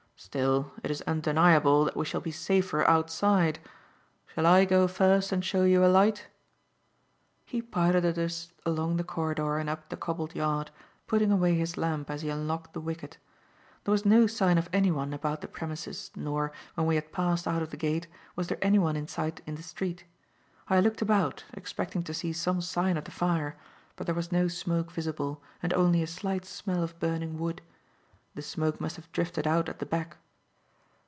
Still, it is undeniable that we shall be safer outside. Shall I go first and show you a light?" He piloted us along the corridor and up the cobbled yard, putting away his lamp as he unlocked the wicket. There was no sign of anyone about the premises nor, when we had passed out of the gate, was there anyone in sight in the street. I looked about, expecting to see some sign of the fire; but there was no smoke visible, and only a slight smell of burning wood. The smoke must have drifted out at the back.